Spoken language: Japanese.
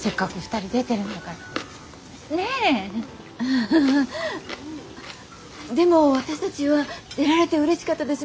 あでも私たちは出られてうれしかったです。